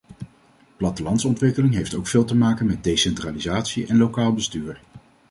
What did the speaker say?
Plattelandsontwikkeling heeft ook veel te maken met decentralisatie en lokaal bestuur.